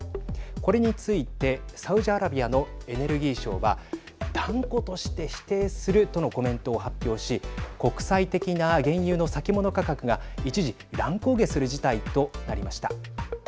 これについてサウジアラビアのエネルギー相は断固として否定するとのコメントを発表し国際的な原油の先物価格が一時、乱高下する事態となりました。